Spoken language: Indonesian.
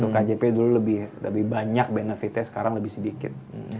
kjp dulu lebih banyak benefitnya sekarang lebih sedikit